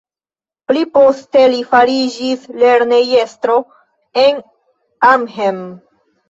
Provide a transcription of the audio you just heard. Pliposte li fariĝis lernejestro en Arnhem.